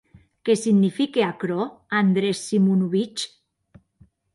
Qué signifique aquerò, Andrés Simonovitch?